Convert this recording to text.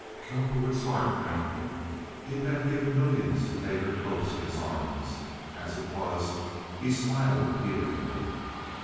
Cowperwood's heart bounded. He would have given millions to take her close in his arms. As it was he smiled appealingly.